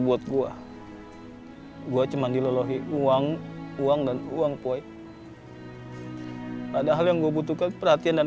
buat gua hai gua cuman dilolohi uang uang dan uang poy hai ada hal yang gue butuhkan perhatian dan